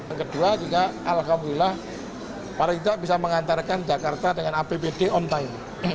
yang kedua juga alhamdulillah paling tidak bisa mengantarkan jakarta dengan apbd on time